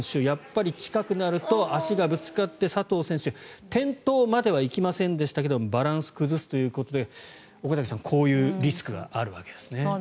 やっぱり近くなると足がぶつかって佐藤選手転倒まではいきませんでしたがバランスを崩すということで岡崎さん、こういうリスクがあるわけですね。